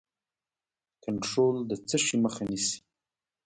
کنټرول د څه شي مخه نیسي؟